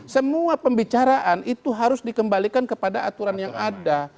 semua pembicaraan itu harus dikembalikan kepada aturan yang ada